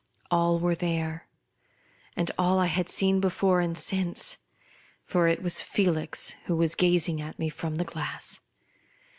All were there ; and all I had seen before and since : for it was Felix who was gazing at me from the glass.